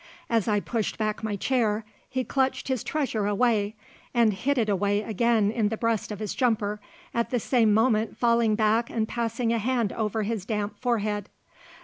As I pushed back my chair he clutched his treasure away, and hid it away again in the breast of his jumper, at the same moment falling back and passing a hand over his damp forehead.